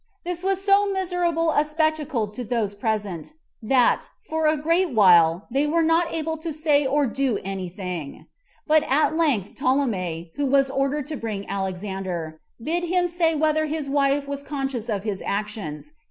This was so miserable a spectacle to those present, that, for a great while, they were not able to say or to do any thing; but at length Ptolemy, who was ordered to bring Alexander, bid him say whether his wife was conscious of his actions.